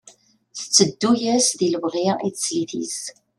Tteddu-yas di lebɣi i teslit-is.